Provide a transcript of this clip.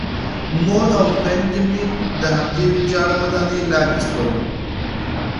مور او خویندې مې د همدې ویجاړې ودانۍ لاندې شول